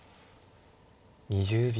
２０秒。